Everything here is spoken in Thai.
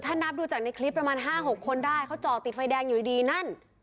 ถ้านับดูจากในคลิปประมาณ๕๖คนได้เขาจอดติดไฟแดงอยู่ดีนั่น